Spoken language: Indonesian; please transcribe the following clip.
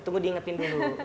tunggu diingetin dulu